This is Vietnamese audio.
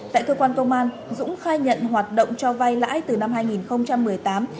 tại cơ quan công an dũng khai nhận hoạt động cho vay lãi từ năm hai nghìn một mươi tám